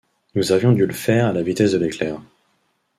Nous avions du le faire à la vitesse de l'éclair -.